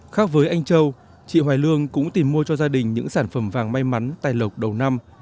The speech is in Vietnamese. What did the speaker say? khác với anh châu chị hoài lương cũng tìm mua cho gia đình những sản phẩm vàng may mắn tài lộc đầu năm